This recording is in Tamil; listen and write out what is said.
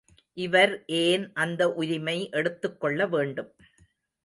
இவர் ஏன் அந்த உரிமை எடுத்துக்கொள்ள வேண்டும்.